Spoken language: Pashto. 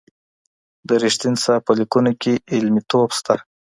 د رښتین صاحب په لیکنو کي علمي توب شته.